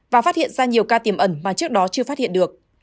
và phát hiện ra nhiều ca tiềm ẩn mà trước đó chưa phát hiện được